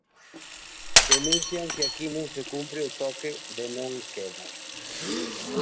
Denuncian que aquí non se cumpre o toque de non queda.